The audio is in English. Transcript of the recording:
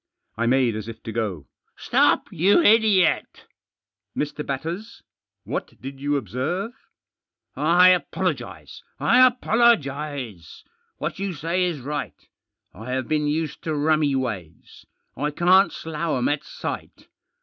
I made as if to go. " Stop, you idiot !"" Mr. Batters ? What did you observe ?" "I apologise! I apologise! What you say is right. I have been used to rummy ways. I can't slough 'em at sight.